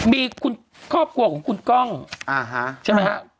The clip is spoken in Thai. มีครอบครัวของคุณกล้องใช่ไหมครับ